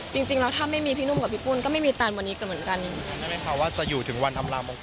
จริงแล้วถ้าไม่มีพี่นุ่มกับพี่ปุ้นก็ไม่มีตันวันนี้กันเหมือนกัน